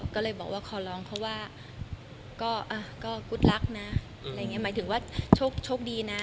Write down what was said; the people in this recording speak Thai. ก็เลยบอกว่าขอร้องเขาว่าก็กุฎรักนะหมายถึงว่าโชคดีนะ